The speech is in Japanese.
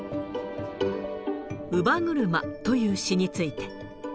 乳母車という詩について。